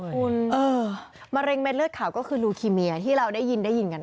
คุณมะเร็งในเม็ดเลือดขาวก็คือลูคีเมียที่เราได้ยินกัน